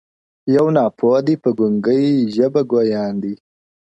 يو ناپوه دئ په گونگۍ ژبه گويان دئ -